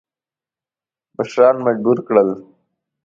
مشران مجبور کړل.